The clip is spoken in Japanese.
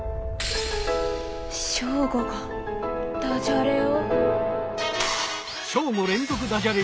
ショーゴがダジャレを？